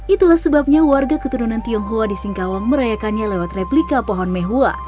itulah sebabnya warga keturunan tionghoa di singkawang merayakannya lewat replika pohon mehua